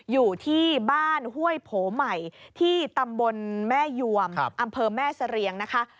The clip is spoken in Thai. อยู่ที่บ้านห้วยโผใหม่ที่ตำบลแม่ยวมอำเภอแม่เสรียงนะคะ